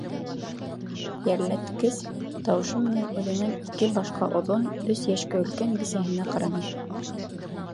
Йәлләткес тауышы менән үҙенән ике башҡа оҙон, өс йәшкә өлкән бисәһенә ҡараны: